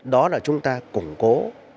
đó là chúng ta củng cố